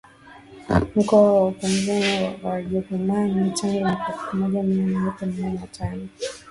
Mkwawa na upanuzi wa Wajerumani tangu mwaka elfu moja mia nane themanini na tano